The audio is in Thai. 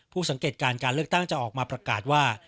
สังเกตการการเลือกตั้งจะออกมาประกาศว่า